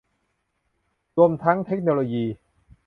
รวมทั้งเทคโนโลยี